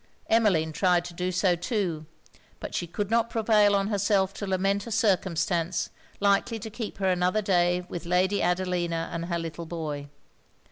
Emmeline tried to do so too; but she could not prevail on herself to lament a circumstance likely to keep her another day with Lady Adelina and her little boy.